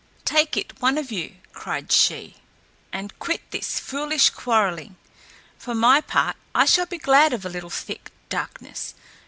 "Take it, one of you," cried she, "and quit this foolish quarreling. For my part, I shall be glad of a little thick darkness.